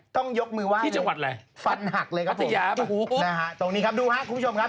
ต้องยกมือว่างลงฟันหักเลยครับผมนะฮะตรงนี้ครับดูครับคุณผู้ชมครับ